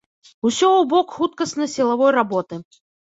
Усё ў бок хуткасна-сілавой работы.